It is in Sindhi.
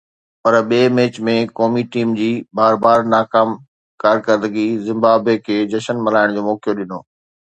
پر ٻئي ميچ ۾ قومي ٽيم جي بار بار ناڪام ڪارڪردگيءَ زمبابوي کي جشن ملهائڻ جو موقعو ڏنو.